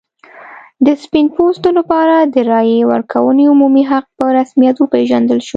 د سپین پوستو لپاره د رایې ورکونې عمومي حق په رسمیت وپېژندل شو.